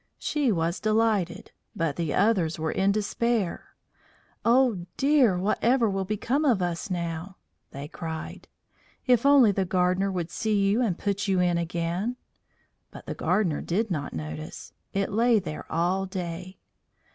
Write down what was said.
She was delighted, but the others were in despair. "Oh, dear, whatever will become of us now?" they cried. "If only the gardener would see you and put you in again!" But the gardener did not notice; it lay there all day.